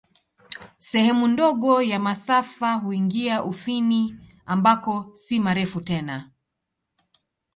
Sehemu ndogo ya masafa huingia Ufini, ambako si marefu tena.